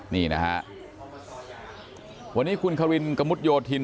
นี่นะฮะวันนี้คุณควินกระมุดโยธิน